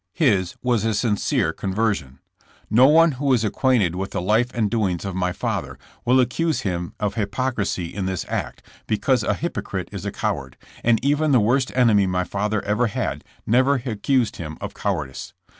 His was a sincere conversion. No one who is acquainted with the life and doings of my father will accuse him of hypocrisy in this act because a hypocrite is a coward, and even the worst enemy my father ever had never accused him of cowardice.